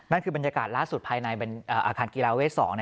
คือบรรยากาศล่าสุดภายในอาคารกีฬาเวท๒